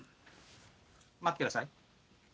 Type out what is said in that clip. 待ってください。